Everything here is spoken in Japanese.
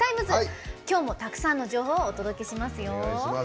きょうもたくさんの情報をお届けしますよ。